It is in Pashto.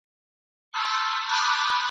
ملنګه ! چې دا خلک پۀ تُندۍ چرته روان دي؟ ,